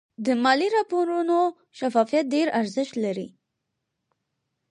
د مالي راپورونو شفافیت ډېر ارزښت لري.